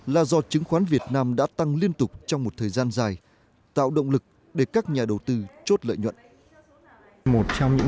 là do chứng khoán việt nam đã tăng liên tục trong một thời gian dài tạo động lực để các nhà đầu tư chốt lợi nhuận